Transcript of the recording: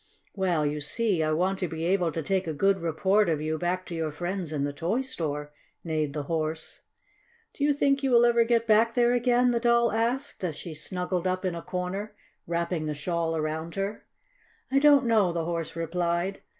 "Well, you see I want to be able to take a good report of you back to your friends in the toy store," neighed the Horse. "Do you think you will ever get back there again?" the Doll asked, as she snuggled up in a corner, wrapping the shawl around her. "I don't know," the Horse replied.